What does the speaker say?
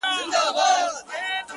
پايزېب به دركړمه د سترگو توره!